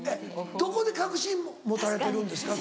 どこで確信持たれてるんですか？